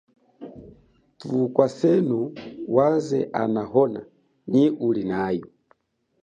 Thukwasenu waze anahona nyi ulinayo.